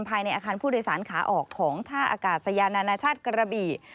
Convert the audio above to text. ภายในอาคารผู้โดยสารขาออกของท่าอากาศยานานาชาติกระบี่